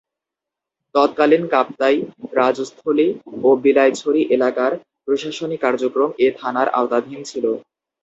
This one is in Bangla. তৎকালীন কাপ্তাই, রাজস্থলী ও বিলাইছড়ি এলাকার প্রশাসনিক কার্যক্রম এ থানার আওতাধীন ছিল।